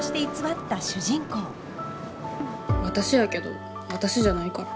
私やけど私じゃないから。